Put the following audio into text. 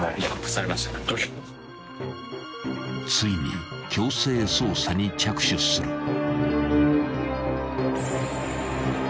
［ついに強制捜査に着手する］